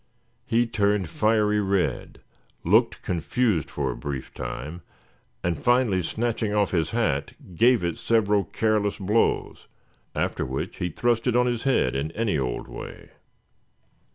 He turned fiery red, looked confused for a brief time; and finally snatching off his hat, gave it several careless blows, after which he thrust it on his head in any old way.